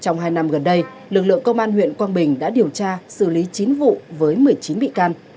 trong hai năm gần đây lực lượng công an huyện quang bình đã điều tra xử lý chín vụ với một mươi chín bị can